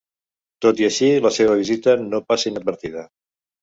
Tot i així, la seva visita no passa inadvertida.